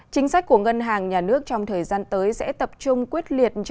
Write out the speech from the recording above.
chính sách của ngân hàng nhà nước trong thời gian tới sẽ tập trung quyết liệt